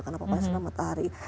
karena pokoknya sudah matahari